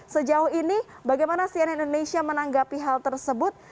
sejauh ini bagaimana sian indonesia menanggapi hal tersebut